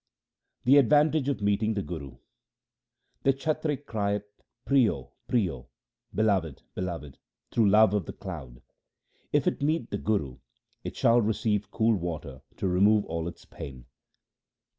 The advantage of meeting the Guru :— The chatrik crieth, ' Prio, prio ' (Beloved ! Beloved !) through love of the cloud. If it meet the Guru, it shall receive cool water to remove all its pain.